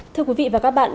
thưa quý vị và các bạn